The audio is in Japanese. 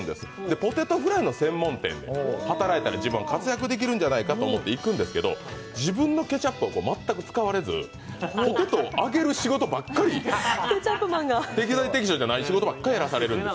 ポテトフライの専門店で働いたら活躍できるんじゃないかといったんですが自分のケチャップは全く使われずポテトを揚げる仕事ばっかり、適材適所じゃない仕事ばっかりやらされる。